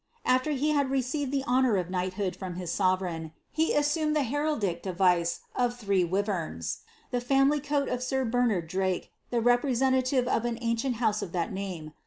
After he had received the honour of knighthood from hia sovereign. he assumed the heraldic device of three wiverns, the family coal of ■'ir Bernard Drake, the representative of an ancient house of that name.